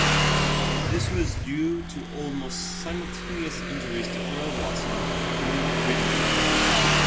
This was due to almost simultaneous injuries to Earl Watson and Luke Ridnour.